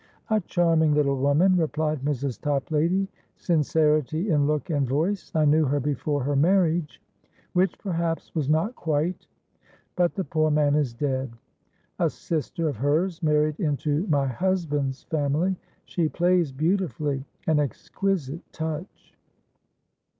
"A charming little woman," replied Mrs. Toplady, sincerity in look and voice. "I knew her before her marriage, which perhaps was not quitebut the poor man is dead. A sister of hers married into my husband's family. She plays beautifully, an exquisite touch."